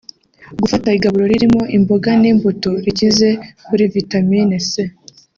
Gufata igaburo ririmo imboga n’imbuto (rikize kuri Vitamine C